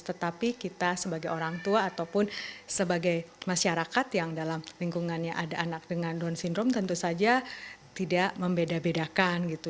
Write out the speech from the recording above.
tetapi kita sebagai orang tua ataupun sebagai masyarakat yang dalam lingkungannya ada anak dengan down syndrome tentu saja tidak membeda bedakan gitu